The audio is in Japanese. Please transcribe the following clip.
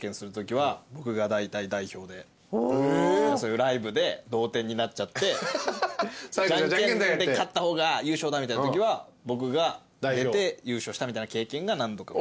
ライブで同点になっちゃってじゃんけんで勝った方が優勝だみたいなときは僕が出て優勝したみたいな経験が何度か。